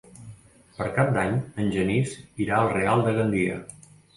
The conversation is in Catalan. Per Cap d'Any en Genís irà al Real de Gandia.